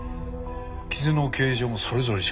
傷の形状もそれぞれ違う。